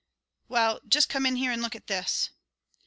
"Well, just come in here and look at this."